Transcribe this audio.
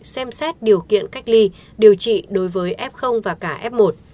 xem xét điều kiện cách ly điều trị đối với f và cả f một